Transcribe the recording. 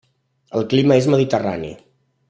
El clima és mediterrani.